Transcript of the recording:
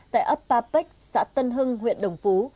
tại ấp ba bích xã tân hưng huyện đồng phú